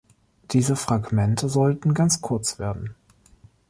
Diese Fragmente sollten ganz kurz werden.